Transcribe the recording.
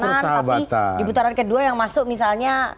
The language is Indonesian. tapi di putaran kedua yang masuk misalnya